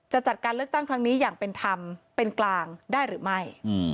จัดการเลือกตั้งครั้งนี้อย่างเป็นธรรมเป็นกลางได้หรือไม่